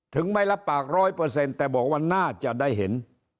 ไม่รับปากร้อยเปอร์เซ็นต์แต่บอกว่าน่าจะได้เห็น